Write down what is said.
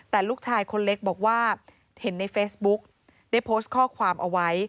แต่ลูกชายคนเล็กบอกว่าเห็นในเฟซบุ๊กได้โพสต์ข้อความเอาไว้